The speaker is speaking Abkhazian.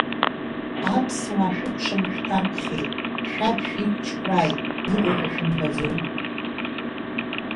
Аԥсуаа шәыкәшан шәҭаркхьеит, шәаб шәиқәчхәрааит, иҟоу ҳәа шәымбаӡои?